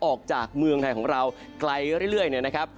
ออกจากเมืองไทยของเราไกลเรื่อยเนี่ยนะครับ